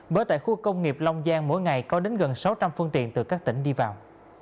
bởi tại khu công nghiệp long giang mỗi ngày có đến gần sáu trăm linh phương tiện từ các tỉnh đi vào